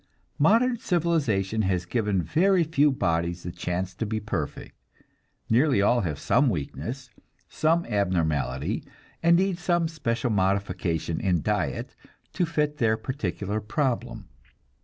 Modern civilization has given very few bodies the chance to be perfect; nearly all have some weakness, some abnormality, and need some special modification in diet to fit their particular problem.